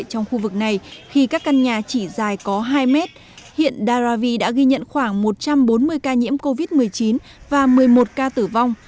trong khu vực này khi các căn nhà chỉ dài có hai mét hiện daravi đã ghi nhận khoảng một trăm bốn mươi ca nhiễm covid một mươi chín và một mươi một ca tử vong